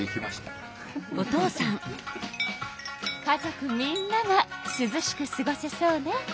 家族みんながすずしくすごせそうね。